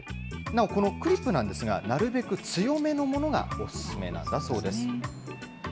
なお、このクリップなんですが、なるべく強めのものがお勧めなんだそうです。